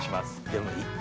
でも。